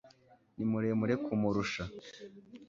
ni muremure kumurusha